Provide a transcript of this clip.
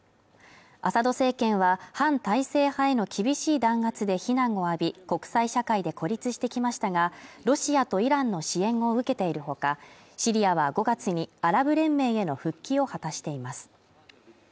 アサド政権は反体制派への厳しい弾圧で非難を浴び国際社会で孤立してきましたがロシアとイランの支援を受けているほかシリアは５月にアラブ連盟への復帰を果たしています